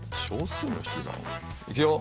いくよ。